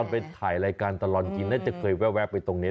ผมน่าจะเคยแวะไปตรงนี้